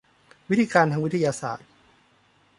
วิธีการทางวิทยาศาสตร์